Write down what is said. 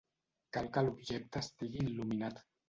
Cal que l'objecte estigui il·luminat.